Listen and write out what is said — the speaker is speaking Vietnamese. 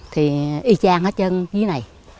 thì y chang hết chân dưới này